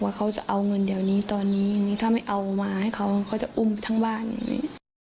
เขาจะเอาเงินเดี๋ยวนี้ตอนนี้อย่างนี้ถ้าไม่เอามาให้เขาก็จะอุ้มไปทั้งบ้านอย่างนี้